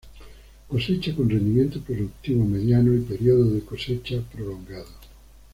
Cosecha con rendimiento productivo mediano, y periodo de cosecha prolongado.